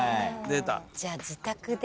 じゃあ「自宅で」